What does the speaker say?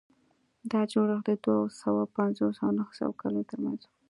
دا جوړښت د دوه سوه پنځوس او نهه سوه کلونو ترمنځ و.